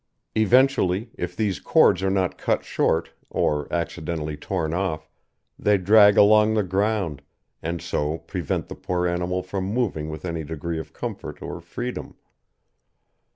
Eventually, if these cords are not cut short, or accidentally torn off, they drag along the ground, and so prevent the poor animal from moving with any degree of comfort or freedom.